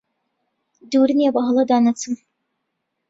دوور نییە بەهەڵەدا نەچم